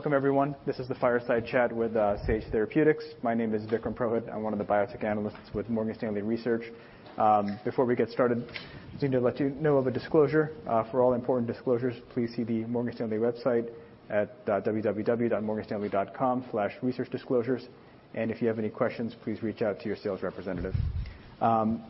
Welcome, everyone. This is the fireside chat with Sage Therapeutics. My name is Vikram Purohit. I'm one of the biotech analysts with Morgan Stanley Research. Before we get started, I just need to let you know of a disclosure. For all important disclosures, please see the Morgan Stanley website at www.morganstanley.com/researchdisclosures. If you have any questions, please reach out to your sales representative.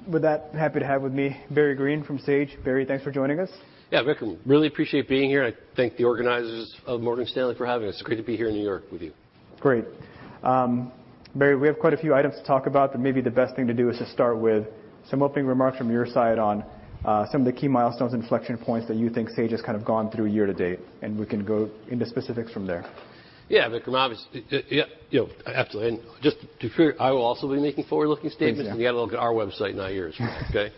With that, happy to have with me, Barry Greene from Sage. Barry, thanks for joining us. Yeah, Vikram. Really appreciate being here. I thank the organizers of Morgan Stanley for having us. It's great to be here in New York with you. Great. Barry, we have quite a few items to talk about, but maybe the best thing to do is to start with some opening remarks from your side on some of the key milestones and inflection points that you think Sage has kind of gone through year to date, and we can go into specifics from there. Yeah, Vikram, obviously, you know, absolutely. And just to be clear, I will also be making forward-looking statements. Exactly. You gotta look at our website, not yours, okay?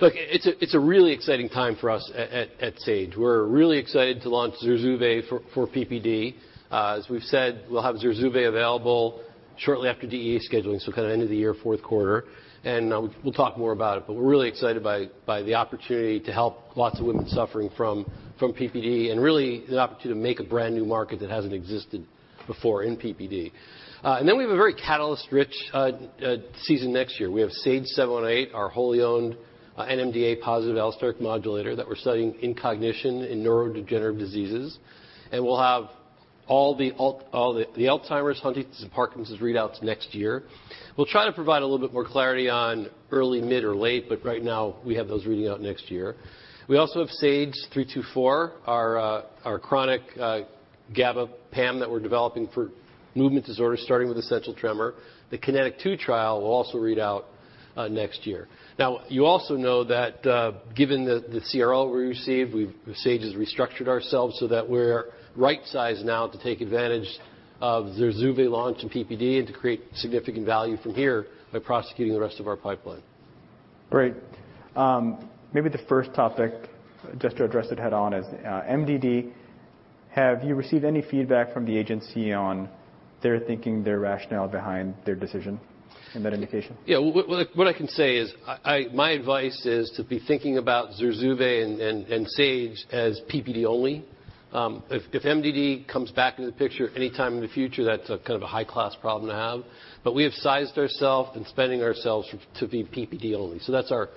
Look, it's a really exciting time for us at Sage. We're really excited to launch ZURZUVAE for PPD. As we've said, we'll have ZURZUVAE available shortly after DEA scheduling, so kind of end of the year, fourth quarter, and we'll talk more about it. But we're really excited by the opportunity to help lots of women suffering from PPD, and really the opportunity to make a brand-new market that hasn't existed before in PPD. And then we have a very catalyst-rich season next year. We have SAGE-718, our wholly owned NMDA positive allosteric modulator that we're studying in cognition in neurodegenerative diseases. And we'll have all the Alzheimer's, Huntington's, and Parkinson's readouts next year. We'll try to provide a little bit more clarity on early, mid, or late, but right now, we have those reading out next year. We also have SAGE-324, our chronic GABAA PAM that we're developing for movement disorders, starting with essential tremor. The KINETIC 2 trial will also read out next year. Now, you also know that, given the CRL we received, we've-- Sage has restructured ourselves so that we're right-sized now to take advantage of ZURZUVAE launch in PPD and to create significant value from here by prosecuting the rest of our pipeline. Great. Maybe the first topic, just to address it head-on, is MDD. Have you received any feedback from the agency on their thinking, their rationale behind their decision in that indication? Yeah, what I can say is, my advice is to be thinking about ZURZUVAE and Sage as PPD only. If MDD comes back into the picture anytime in the future, that's a kind of a high-class problem to have. But we have sized ourself and spending ourselves to be PPD only. So that's our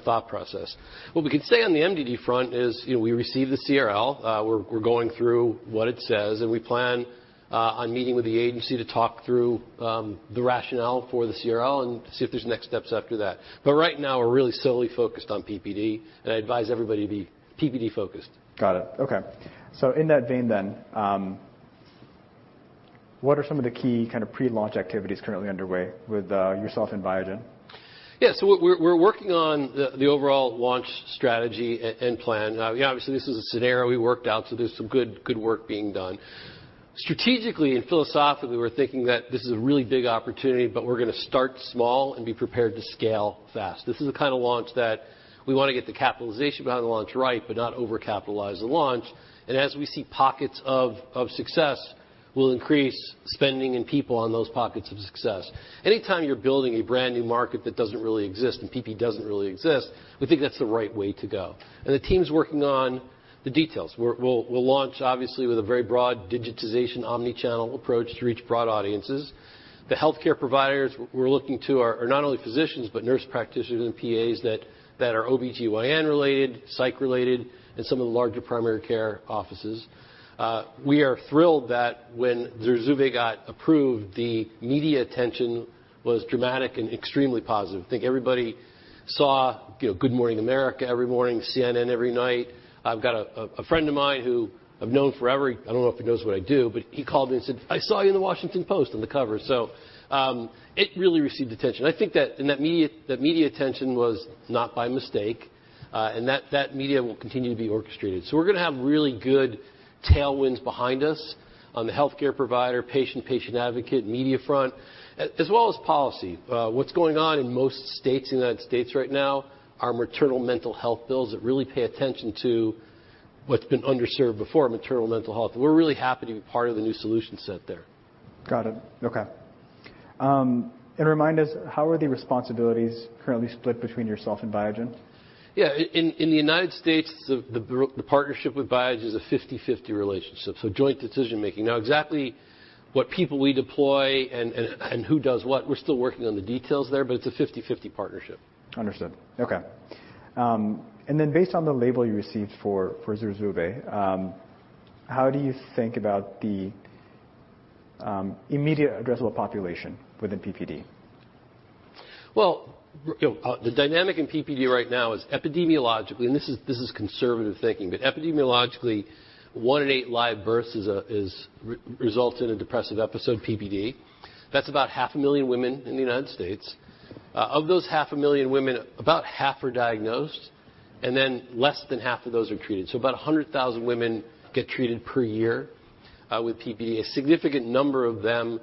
thought process. What we can say on the MDD front is, you know, we received the CRL. We're going through what it says, and we plan on meeting with the agency to talk through the rationale for the CRL and see if there's next steps after that. But right now, we're really solely focused on PPD, and I advise everybody to be PPD-focused. Got it. Okay. So in that vein, then, what are some of the key kind of pre-launch activities currently underway with, yourself and Biogen? Yeah. So we're working on the overall launch strategy and plan. Obviously, this is a scenario we worked out, so there's some good work being done. Strategically and philosophically, we're thinking that this is a really big opportunity, but we're gonna start small and be prepared to scale fast. This is the kind of launch that we want to get the capitalization behind the launch right, but not overcapitalize the launch. As we see pockets of success, we'll increase spending and people on those pockets of success. Anytime you're building a brand-new market that doesn't really exist, and PPD doesn't really exist, we think that's the right way to go. The team's working on the details. We'll launch, obviously, with a very broad digitization, omni-channel approach to reach broad audiences. The healthcare providers we're looking to are not only physicians, but nurse practitioners and PAs that are OB-GYN-related, psych-related, and some of the larger primary care offices. We are thrilled that when ZURZUVAE got approved, the media attention was dramatic and extremely positive. I think everybody saw, you know, Good Morning America every morning, CNN every night. I've got a friend of mine who I've known forever, I don't know if he knows what I do, but he called me and said, "I saw you in The Washington Post on the cover." So, it really received attention. I think that, and that media attention was not by mistake, and that media will continue to be orchestrated. So we're gonna have really good tailwinds behind us on the healthcare provider, patient advocate, media front, as well as policy. What's going on in most states in the United States right now are maternal mental health bills that really pay attention to what's been underserved before, maternal mental health. We're really happy to be part of the new solution set there. Got it. Okay. And remind us, how are the responsibilities currently split between yourself and Biogen? Yeah. In the United States, the partnership with Biogen is a 50/50 relationship, so joint decision-making. Now, exactly what people we deploy and who does what, we're still working on the details there, but it's a 50/50 partnership. Understood. Okay. And then, based on the label you received for ZURZUVAE, how do you think about the immediate addressable population within PPD? Well, you know, the dynamic in PPD right now is epidemiologically, and this is conservative thinking, but epidemiologically, one in eight live births results in a depressive episode, PPD. That's about 500,000 women in the United States. Of those 500,000 women, about half are diagnosed, and then less than half of those are treated. So about 100,000 women get treated per year with PPD. A significant number of them,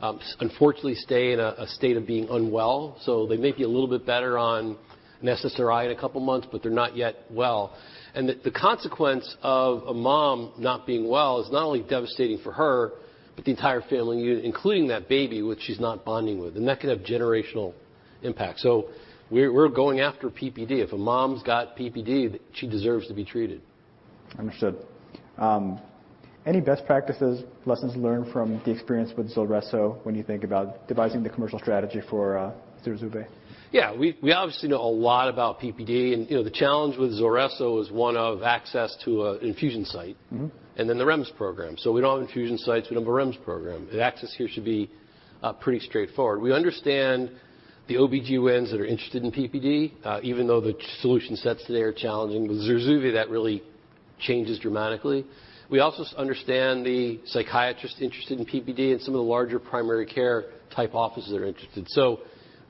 unfortunately, stay in a state of being unwell, so they may be a little bit better on an SSRI in a couple of months, but they're not yet well. And the consequence of a mom not being well is not only devastating for her-... but the entire family unit, including that baby, which she's not bonding with, and that could have generational impact. So we're going after PPD. If a mom's got PPD, she deserves to be treated. Understood. Any best practices, lessons learned from the experience with ZULRESSO when you think about devising the commercial strategy for ZURZUVAE? Yeah, we obviously know a lot about PPD, and you know, the challenge with ZULRESSO is one of access to an infusion site- Mm-hmm. - and then the REMS program. So we don't have infusion sites, we have a REMS program, and access here should be pretty straightforward. We understand the OB-GYNs that are interested in PPD, even though the solution sets today are challenging. With ZURZUVAE, that really changes dramatically. We also understand the psychiatrists interested in PPD and some of the larger primary care-type offices that are interested. So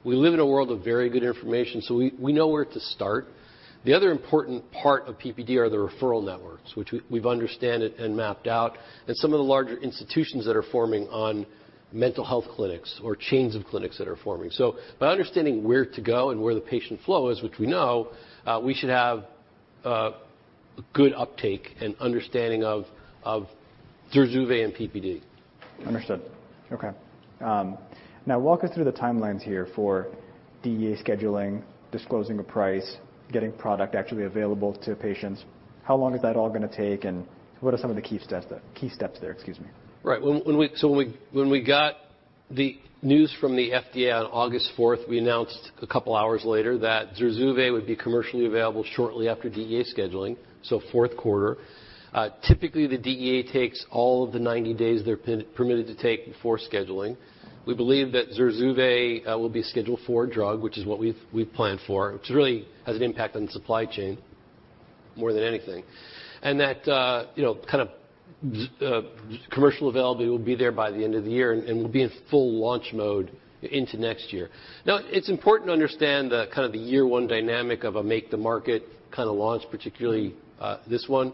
we live in a world of very good information, so we know where to start. The other important part of PPD are the referral networks, which we understand and have mapped out, and some of the larger institutions that are focusing on mental health clinics or chains of clinics that are forming. So by understanding where to go and where the patient flow is, which we know, we should have a good uptake and understanding of ZURZUVAE and PPD. Understood. Okay. Now walk us through the timelines here for DEA scheduling, disclosing a price, getting product actually available to patients. How long is that all going to take, and what are some of the key steps there? Excuse me. Right. When we got the news from the FDA on August 4th, we announced a couple of hours later that ZURZUVAE would be commercially available shortly after DEA scheduling, so fourth quarter. Typically, the DEA takes all of the 90 days they're permitted to take before scheduling. We believe that ZURZUVAE will be a Schedule IV drug, which is what we've planned for, which really has an impact on the supply chain more than anything. And that, you know, kind of, commercial availability will be there by the end of the year and we'll be in full launch mode into next year. Now, it's important to understand the kind of the year-one dynamic of a make-the-market kind of launch, particularly, this one.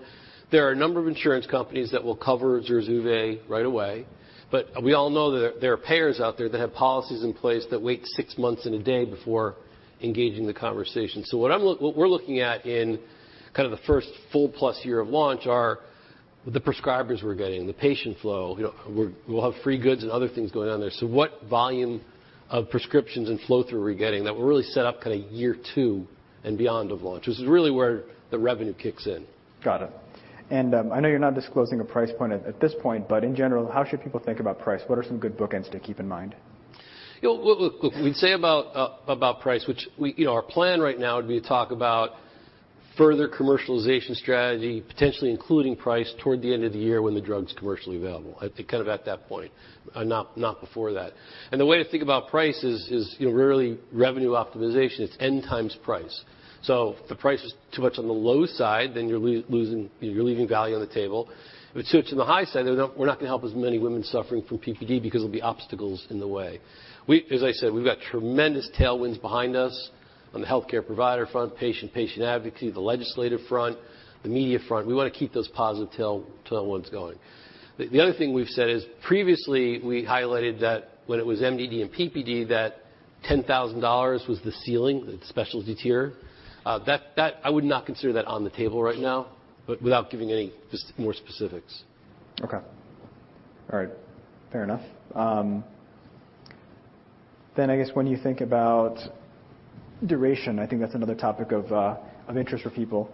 There are a number of insurance companies that will cover ZURZUVAE right away, but we all know that there are payers out there that have policies in place that wait six months and a day before engaging the conversation. So what we're looking at in kind of the first full plus year of launch are the prescribers we're getting, the patient flow. You know, we'll have free goods and other things going on there. So what volume of prescriptions and flow-through we're getting that will really set up kind of year two and beyond of launch, which is really where the revenue kicks in. Got it. And, I know you're not disclosing a price point at this point, but in general, how should people think about price? What are some good bookends to keep in mind? You know, look, we'd say about price, which we... You know, our plan right now would be to talk about further commercialization strategy, potentially including price, toward the end of the year when the drug's commercially available, kind of at that point, not before that. And the way to think about price is, you know, really revenue optimization. It's N times price. So if the price is too much on the low side, then you're losing, you're leaving value on the table. If it's too much on the high side, then we're not going to help as many women suffering from PPD because there'll be obstacles in the way. We, as I said, we've got tremendous tailwinds behind us on the healthcare provider front, patient advocacy, the legislative front, the media front. We want to keep those positive tailwinds going. The other thing we've said is, previously, we highlighted that when it was MDD and PPD, that $10,000 was the ceiling, the specialty tier. That—I would not consider that on the table right now, but without giving any just more specifics. Okay. All right. Fair enough. Then I guess when you think about duration, I think that's another topic of interest for people.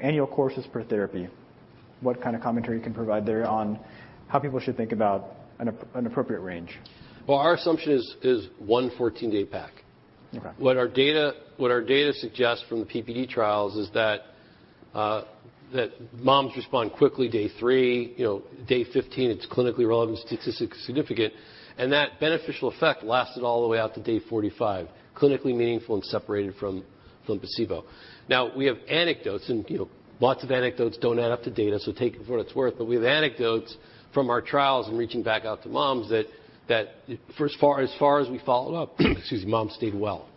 Annual courses per therapy, what kind of commentary you can provide there on how people should think about an appropriate range? Well, our assumption is one 14-day pack. Okay. What our data suggests from the PPD trials is that moms respond quickly, day three. You know, day 15, it's clinically relevant, statistically significant, and that beneficial effect lasted all the way out to day 45, clinically meaningful and separated from placebo. Now, we have anecdotes, and, you know, lots of anecdotes don't add up to data, so take it for what it's worth. But we have anecdotes from our trials and reaching back out to moms that for as far as we followed up, excuse me, moms stayed well.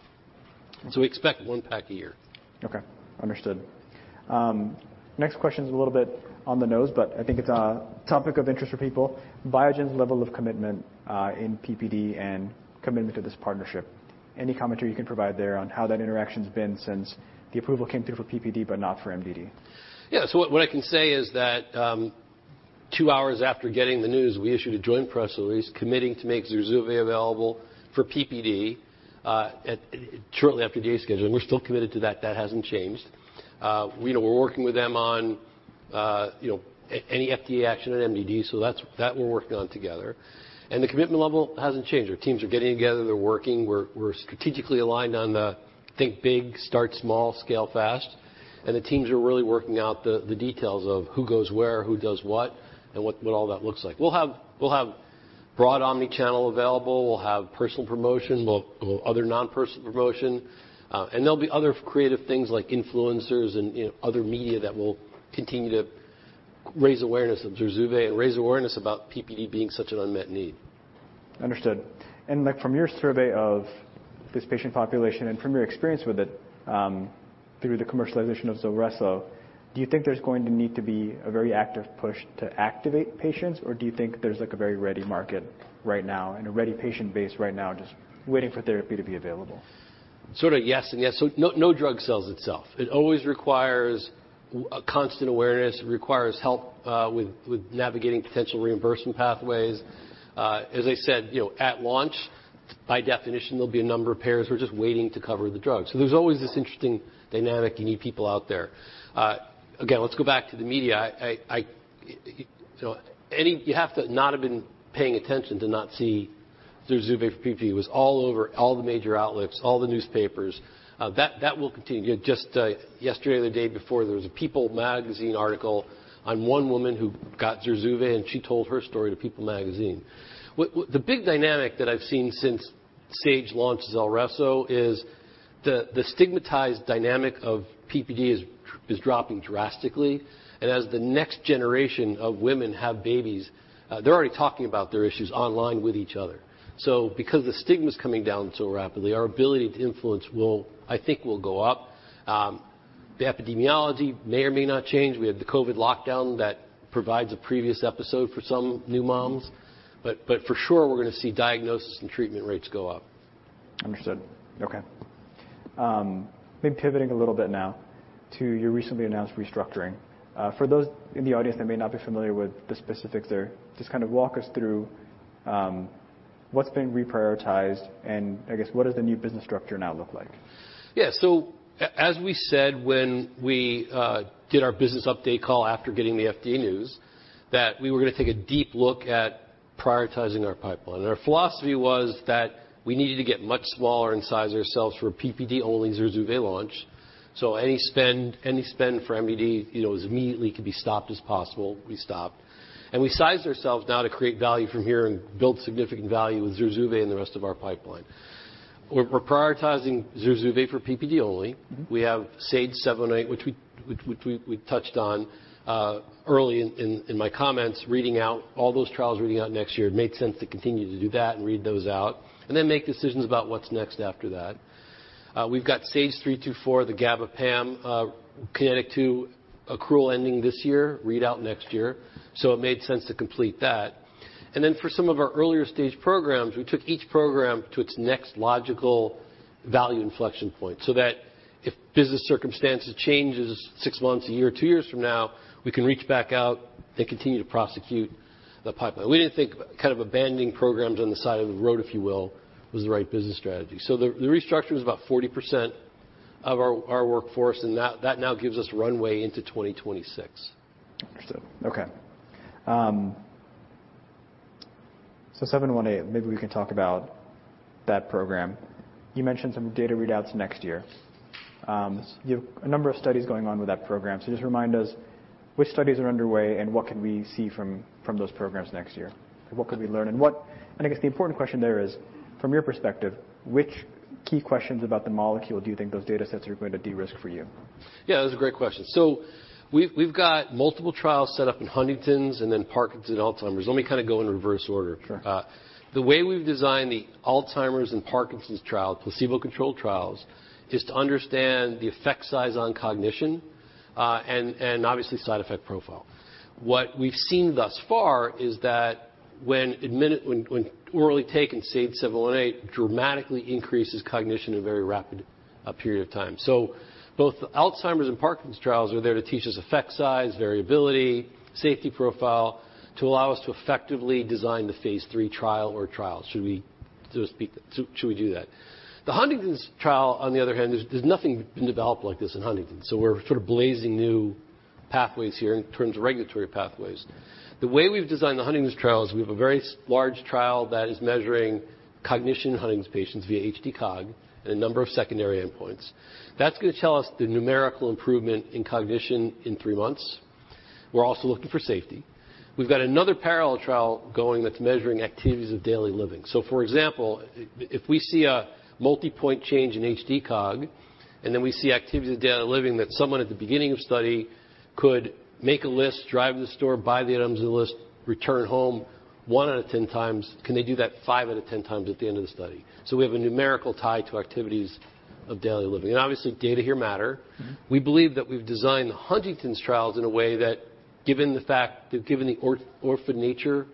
Okay. We expect one pack a year. Okay, understood. Next question is a little bit on the nose, but I think it's a topic of interest for people: Biogen's level of commitment in PPD and commitment to this partnership. Any commentary you can provide there on how that interaction's been since the approval came through for PPD, but not for MDD? Yeah, so what, what I can say is that, two hours after getting the news, we issued a joint press release committing to make ZURZUVAE available for PPD, shortly after DEA scheduling. We're still committed to that. That hasn't changed. We know we're working with them on, you know, any FDA action on MDD, so that we're working on together. And the commitment level hasn't changed. Our teams are getting together, they're working. We're strategically aligned on the think big, start small, scale fast, and the teams are really working out the details of who goes where, who does what, and what all that looks like. We'll have broad omni-channel available. We'll have personal promotion, we'll other non-personal promotion, and there'll be other creative things like influencers and, you know, other media that will continue to raise awareness of ZURZUVAE and raise awareness about PPD being such an unmet need. Understood. And, like, from your survey of this patient population and from your experience with it, through the commercialization of ZULRESSO, do you think there's going to need to be a very active push to activate patients? Or do you think there's, like, a very ready market right now and a ready patient base right now just waiting for therapy to be available?... Sort of yes and yes. So no, no drug sells itself. It always requires a constant awareness. It requires help with navigating potential reimbursement pathways. As I said, you know, at launch, by definition, there'll be a number of payers who are just waiting to cover the drug. So there's always this interesting dynamic. You need people out there. Again, let's go back to the media. So any-- You have to not have been paying attention to not see ZURZUVAE for PPD. It was all over all the major outlets, all the newspapers. That will continue. Just yesterday or the day before, there was a People magazine article on one woman who got ZURZUVAE, and she told her story to People magazine. What, what... The big dynamic that I've seen since Sage launched ZULRESSO is the stigmatized dynamic of PPD dropping drastically. And as the next generation of women have babies, they're already talking about their issues online with each other. So because the stigma's coming down so rapidly, our ability to influence will, I think, go up. The epidemiology may or may not change. We had the COVID lockdown that provides a previous episode for some new moms, but for sure, we're going to see diagnosis and treatment rates go up. Understood. Okay. Maybe pivoting a little bit now to your recently announced restructuring. For those in the audience that may not be familiar with the specifics there, just kind of walk us through, what's been reprioritized, and I guess, what does the new business structure now look like? Yeah. So as we said when we did our business update call after getting the FDA news, that we were going to take a deep look at prioritizing our pipeline. Our philosophy was that we needed to get much smaller in size ourselves for a PPD-only ZURZUVAE launch. So any spend, any spend for MDD, you know, as immediately could be stopped as possible, we stopped. And we sized ourselves now to create value from here and build significant value with ZURZUVAE and the rest of our pipeline. We're prioritizing ZURZUVAE for PPD only. Mm-hmm. We have SAGE-718, which we touched on early in my comments, reading out all those trials next year. It made sense to continue to do that and read those out, and then make decisions about what's next after that. We've got SAGE-324, the GABAA PAM, KINETIC 2, accrual ending this year, read out next year, so it made sense to complete that. And then for some of our earlier stage programs, we took each program to its next logical value inflection point, so that if business circumstances changes six months, a year, two years from now, we can reach back out and continue to prosecute the pipeline. We didn't think kind of abandoning programs on the side of the road, if you will, was the right business strategy. So the restructure was about 40% of our workforce, and that now gives us runway into 2026. Understood. Okay. So SAGE-718, maybe we can talk about that program. You mentioned some data readouts next year. You have a number of studies going on with that program. So just remind us which studies are underway and what can we see from those programs next year? What could we learn, and what... And I guess the important question there is, from your perspective, which key questions about the molecule do you think those data sets are going to de-risk for you? Yeah, that's a great question. So we've got multiple trials set up in Huntington's and then Parkinson's and Alzheimer's. Let me kind of go in reverse order. Sure. The way we've designed the Alzheimer's and Parkinson's trial, placebo-controlled trials, is to understand the effect size on cognition, and obviously, side effect profile. What we've seen thus far is that when orally taken, SAGE-718 dramatically increases cognition in a very rapid period of time. So both the Alzheimer's and Parkinson's trials are there to teach us effect size, variability, safety profile, to allow us to effectively design the phase III trial or trials, should we, so to speak, so should we do that. The Huntington's trial, on the other hand, there's nothing been developed like this in Huntington, so we're sort of blazing new pathways here in terms of regulatory pathways. The way we've designed the Huntington's trial is we have a very large trial that is measuring cognition in Huntington's patients via HD-Cog and a number of secondary endpoints. That's going to tell us the numerical improvement in cognition in three months. We're also looking for safety. We've got another parallel trial going that's measuring activities of daily living. So for example, if we see a multipoint change in HD-Cog, and then we see activities of daily living, that someone at the beginning of study could make a list, drive to the store, buy the items on the list, return home one out of 10 times, can they do that five out of 10 times at the end of the study? So we have a numerical tie to activities of daily living. Obviously, data here matter. Mm-hmm. We believe that we've designed the Huntington's trials in a way that, given the orphan nature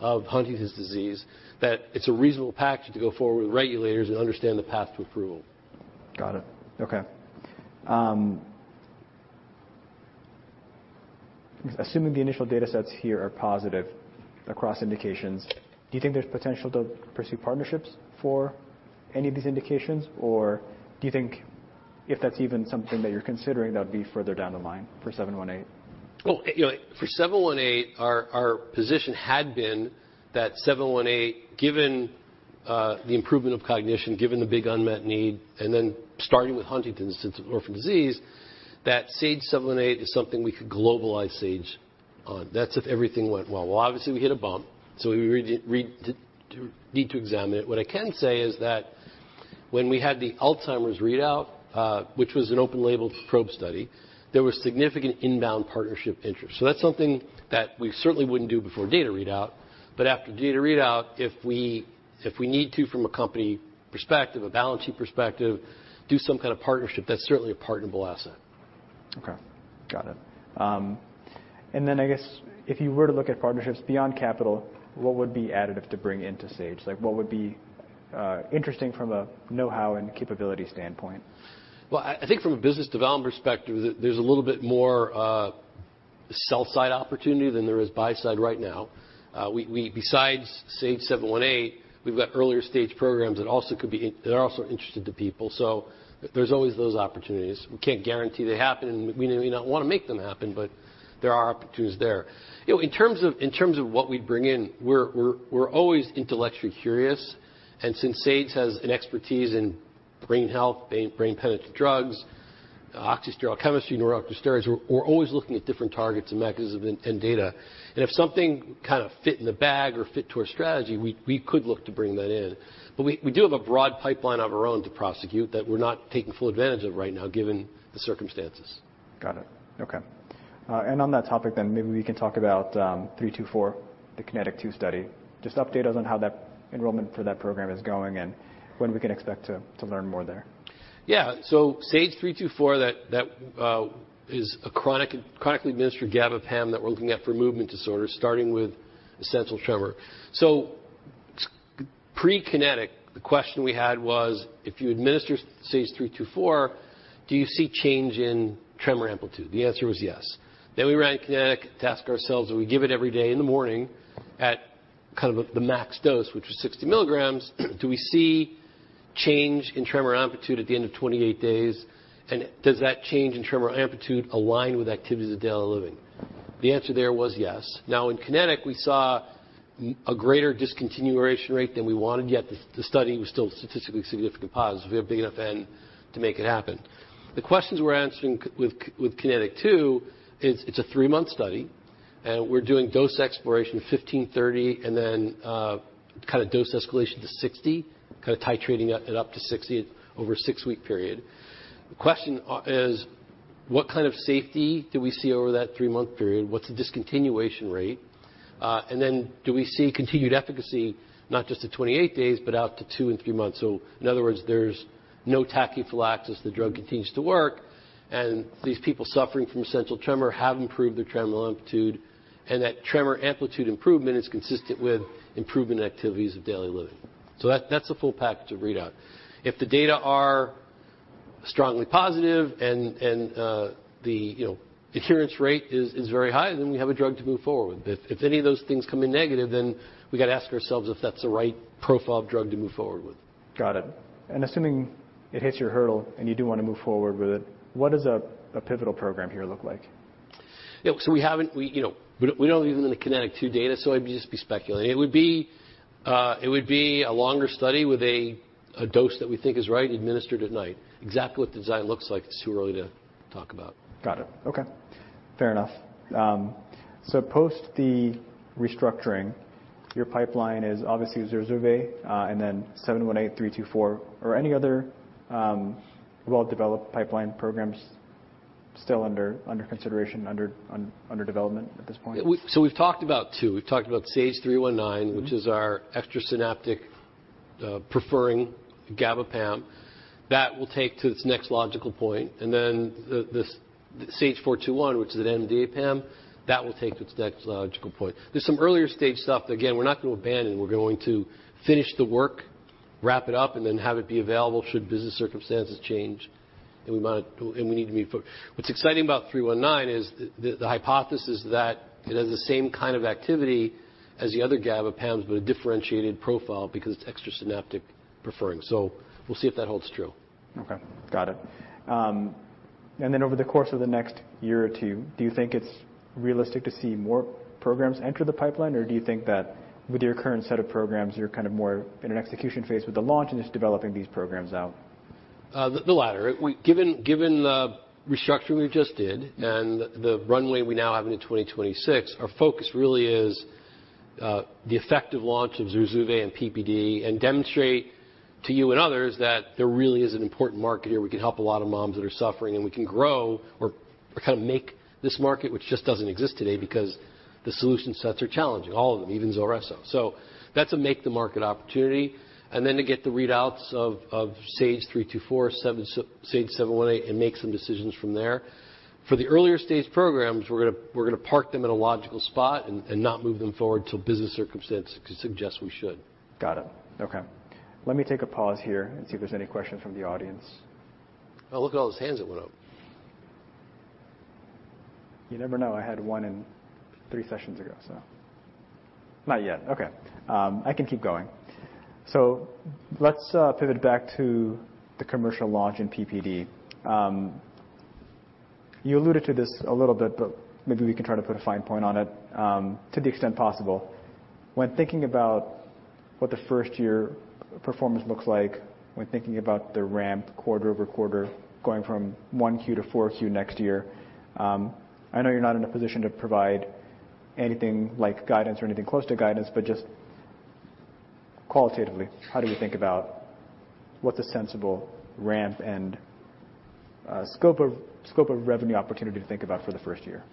of Huntington's disease, that it's a reasonable package to go forward with regulators and understand the path to approval. Got it. Okay. Assuming the initial data sets here are positive across indications, do you think there's potential to pursue partnerships for any of these indications? Or do you think if that's even something that you're considering, that would be further down the line for SAGE-718? Well, you know, for 718, our, our position had been that 718, given the improvement of cognition, given the big unmet need, and then starting with Huntington's, since it's an orphan disease, that SAGE-718 is something we could globalize Sage on. That's if everything went well. Well, obviously, we hit a bump, so we need to examine it. What I can say is that when we had the Alzheimer's readout, which was an open label probe study, there was significant inbound partnership interest. So that's something that we certainly wouldn't do before data readout. But after data readout, if we, if we need to, from a company perspective, a balance sheet perspective, do some kind of partnership, that's certainly a partnerable asset. ... Okay, got it. And then I guess if you were to look at partnerships beyond capital, what would be additive to bring into Sage? Like, what would be interesting from a know-how and capability standpoint? Well, I think from a business development perspective, there's a little bit more sell side opportunity than there is buy side right now. Besides SAGE-718, we've got earlier stage programs that are also interesting to people, so there's always those opportunities. We can't guarantee they happen, and we may not want to make them happen, but there are opportunities there. You know, in terms of what we bring in, we're always intellectually curious, and since Sage has an expertise in brain health, brain penetrant drugs, oxysterol chemistry, neurosteroids, we're always looking at different targets and mechanisms and data. And if something kind of fit in the bag or fit to our strategy, we could look to bring that in. But we do have a broad pipeline of our own to prosecute that we're not taking full advantage of right now, given the circumstances. Got it. Okay. And on that topic, then maybe we can talk about 324, the KINETIC 2 study. Just update us on how that enrollment for that program is going and when we can expect to learn more there. Yeah. So SAGE-324, that is a chronically administered GABAA PAM that we're looking at for movement disorders, starting with essential tremor. So pre-KINETIC, the question we had was: If you administer SAGE-324, do you see change in tremor amplitude? The answer was yes. Then we ran KINETIC to ask ourselves: Do we give it every day in the morning at kind of the max dose, which was 60 mg? Do we see change in tremor amplitude at the end of 28 days? And does that change in tremor amplitude align with activities of daily living? The answer there was yes. Now, in KINETIC, we saw a greater discontinuation rate than we wanted, yet the study was still statistically significant positive. We have a big enough n to make it happen. The questions we're answering with KINETIC 2, it's a three-month study, and we're doing dose exploration 15-30 and then kind of dose escalation to 60, kind of titrating it up to 60 over a six-week period. The question is: What kind of safety do we see over that three-month period? What's the discontinuation rate? And then do we see continued efficacy, not just at 28 days, but out to two and three months? So in other words, there's no tachyphylaxis, the drug continues to work, and these people suffering from essential tremor have improved their tremor amplitude, and that tremor amplitude improvement is consistent with improvement in activities of daily living. So that's the full package of readout. If the data are strongly positive and, you know, the adherence rate is very high, then we have a drug to move forward with. If any of those things come in negative, then we got to ask ourselves if that's the right profile of drug to move forward with. Got it. And assuming it hits your hurdle and you do want to move forward with it, what does a pivotal program here look like? Yeah, so we haven't... We, you know, we don't even have the KINETIC 2 data, so I'd just be speculating. It would be a longer study with a dose that we think is right, administered at night. Exactly what the design looks like, it's too early to talk about. Got it. Okay. Fair enough. So post the restructuring, your pipeline is obviously ZURZUVAE, and then SAGE-718, SAGE-324, or any other well-developed pipeline programs still under development at this point? So we've talked about two. We've talked about SAGE-319- Mm-hmm. which is our extrasynaptic-preferring GABAA PAM. That we'll take to its next logical point, and then the SAGE-421, which is an NMDA PAM, that we'll take to its next logical point. There's some earlier stage stuff that, again, we're not going to abandon. We're going to finish the work, wrap it up, and then have it be available should business circumstances change, and we might, and we need to move forward. What's exciting about SAGE-319 is the hypothesis that it has the same kind of activity as the other GABAA PAMs, but a differentiated profile because it's extrasynaptic preferring. So we'll see if that holds true. Okay, got it. And then over the course of the next year or two, do you think it's realistic to see more programs enter the pipeline? Or do you think that with your current set of programs, you're kind of more in an execution phase with the launch and just developing these programs out? The latter. Given the restructuring we just did and the runway we now have into 2026, our focus really is the effective launch of ZURZUVAE and PPD, and demonstrate to you and others that there really is an important market here. We can help a lot of moms that are suffering, and we can grow or kind of make this market, which just doesn't exist today because the solution sets are challenging, all of them, even ZULRESSO. So that's a make the market opportunity. And then to get the readouts of SAGE-324, SAGE-718, and make some decisions from there. For the earlier stage programs, we're gonna park them in a logical spot and not move them forward till business circumstances suggest we should. Got it. Okay. Let me take a pause here and see if there's any questions from the audience. Oh, look at all those hands that went up. You never know. I had one in three sessions ago, so... Not yet. Okay. I can keep going. So let's pivot back to the commercial launch in PPD. You alluded to this a little bit, but maybe we can try to put a fine point on it, to the extent possible. When thinking about what the first-year performance looks like, when thinking about the ramp quarter-over-quarter, going from 1Q to 4Q next year, I know you're not in a position to provide anything like guidance or anything close to guidance, but just qualitatively, how do you think about what's a sensible ramp and scope of, scope of revenue opportunity to think about for the first year?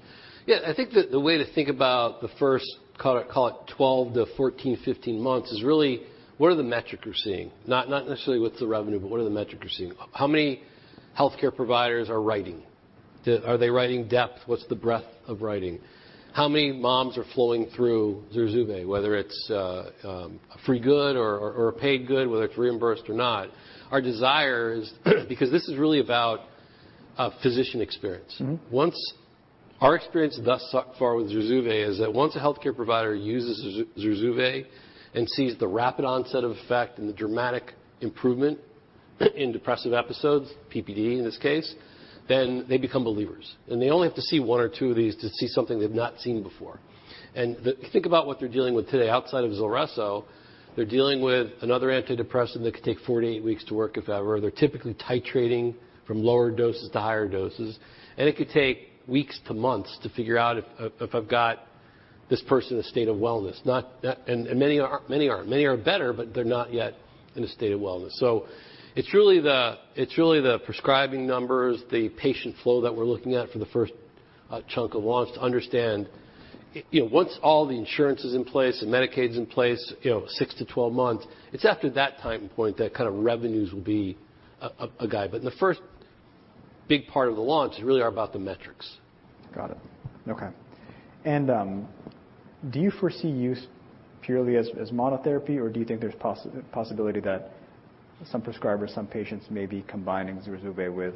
Yeah. I think the way to think about the first, call it 12- to 14-15 months, is really what are the metrics you're seeing? Not necessarily what's the revenue, but what are the metrics you're seeing? How many healthcare providers are writing? Are they writing depth? What's the breadth of writing? How many moms are flowing through ZURZUVAE, whether it's a free good or a paid good, whether it's reimbursed or not. Our desire is, because this is really about physician experience. Mm-hmm. Once our experience thus far with ZURZUVAE is that once a healthcare provider uses ZURZUVAE and sees the rapid onset of effect and the dramatic improvement in depressive episodes, PPD in this case, then they become believers. And they only have to see one or two of these to see something they've not seen before. And think about what they're dealing with today. Outside of ZULRESSO, they're dealing with another antidepressant that could take four to eight weeks to work, if ever. They're typically titrating from lower doses to higher doses, and it could take weeks to months to figure out if I've got this person in a state of wellness, not, and many are, many are. Many are better, but they're not yet in a state of wellness. So it's really the, it's really the prescribing numbers, the patient flow that we're looking at for the first chunk of launch to understand. You know, once all the insurance is in place and Medicaid's in place, you know, six to 12 months, it's after that time point that kind of revenues will be a guide. But the first big part of the launch is really are about the metrics. Got it. Okay. And, do you foresee use purely as monotherapy, or do you think there's possibility that some prescribers, some patients may be combining ZURZUVAE with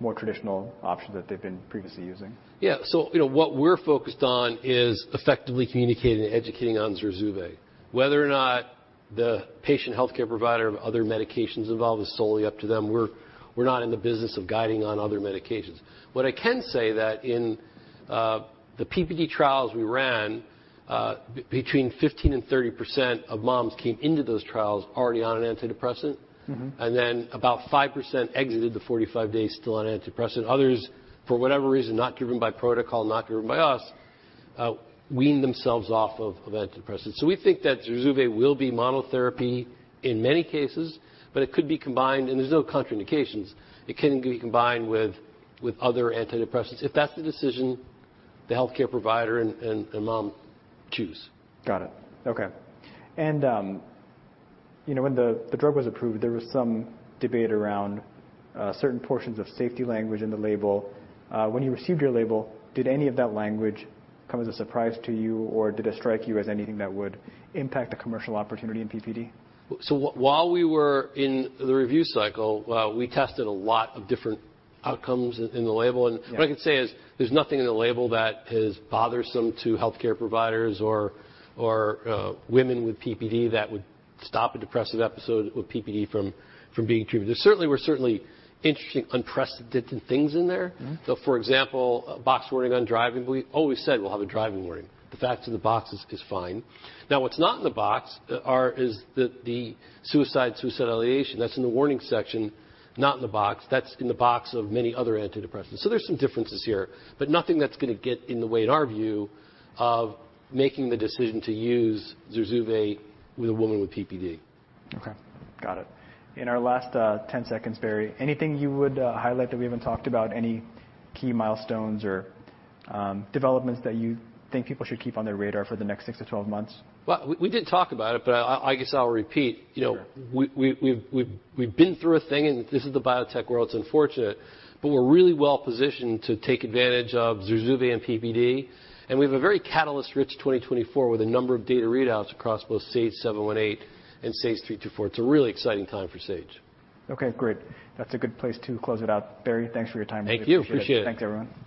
more traditional options that they've been previously using? Yeah. So, you know, what we're focused on is effectively communicating and educating on ZURZUVAE. Whether or not the patient healthcare provider of other medications involved is solely up to them, we're not in the business of guiding on other medications. What I can say that in the PPD trials we ran, between 15%-30% of moms came into those trials already on an antidepressant. Mm-hmm. Then about 5% exited the 45 days still on antidepressant. Others, for whatever reason, not driven by protocol, not driven by us, wean themselves off of antidepressants. So we think that ZURZUVAE will be monotherapy in many cases, but it could be combined, and there's no contraindications. It can be combined with other antidepressants, if that's the decision the healthcare provider and mom choose. Got it. Okay. And, you know, when the drug was approved, there was some debate around certain portions of safety language in the label. When you received your label, did any of that language come as a surprise to you, or did it strike you as anything that would impact the commercial opportunity in PPD? So while we were in the review cycle, we tested a lot of different outcomes in the label. Right. What I can say is, there's nothing in the label that is bothersome to healthcare providers or women with PPD that would stop a depressive episode with PPD from being treated. There were certainly interesting, unprecedented things in there. Mm-hmm. So for example, a box warning on driving. We always said we'll have a driving warning. The fact in the box is fine. Now, what's not in the box is the suicidal ideation. That's in the warning section, not in the box. That's in the box of many other antidepressants. So there's some differences here, but nothing that's going to get in the way, in our view, of making the decision to use ZURZUVAE with a woman with PPD. Okay. Got it. In our last 10 seconds, Barry, anything you would highlight that we haven't talked about? Any key milestones or developments that you think people should keep on their radar for the next six to 12 months? Well, we didn't talk about it, but I, I guess I'll repeat. Sure. You know, we've been through a thing, and this is the biotech world, it's unfortunate, but we're really well positioned to take advantage of ZURZUVAE and PPD, and we have a very catalyst-rich 2024 with a number of data readouts across both SAGE-718 and SAGE-324. It's a really exciting time for Sage. Okay, great. That's a good place to close it out. Barry, thanks for your time. Thank you. Appreciate it. Thanks, everyone.